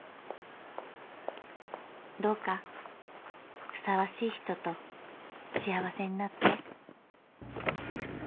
「どうかふさわしい人と幸せになって」